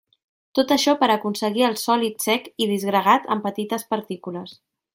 Tot això per aconseguir el sòlid sec i disgregat en petites partícules.